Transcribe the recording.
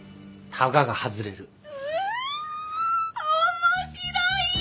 面白い！